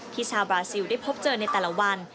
ชาวบราซิลได้พบเจอในแต่ละวัน